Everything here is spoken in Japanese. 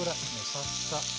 サッサ。